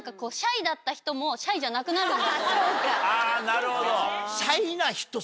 あなるほど。